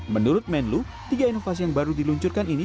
menurut menlu tiga inovasi yang baru diluncurkan ini